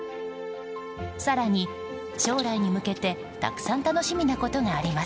更に将来に向けてたくさん楽しみなことがあります。